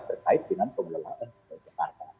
terkait dengan pengelelahan pemerintah pusat